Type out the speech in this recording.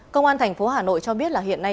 công an thành phố hà nội cho biết là hiện nay